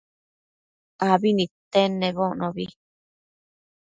abi nidtenedbocnobi